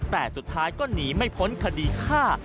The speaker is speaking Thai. แต่สุดท้ายก็หนีไม่พ้นคดีฆ่า